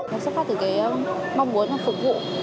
nó sắp phát từ mong muốn phục vụ